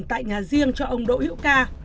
tại nhà riêng cho ông đỗ hiệu ca